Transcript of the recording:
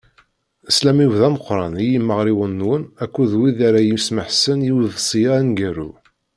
Sslam-iw d ameqqran i yimeɣriyen-nwen akked wid ara yesmeḥsen i uḍebsi-a aneggaru.